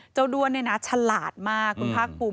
เจ้าด้วนเนี่ยนะฉลาดมากคุณพระคุม